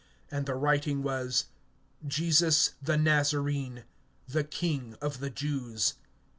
And the writing was: JESUS THE NAZARENE THE KING OF THE JEWS.